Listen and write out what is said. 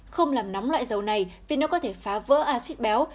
không làm nóng loại dầu này vì nó có thể phá vỡ acid béo